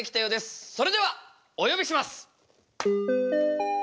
それではお呼びします！